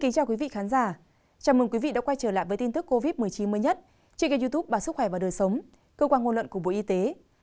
chào mừng quý vị đã quay trở lại với tin tức covid một mươi chín mới nhất trên kênh youtube bà sức khỏe và đời sống cơ quan ngôn luận của bộ y tế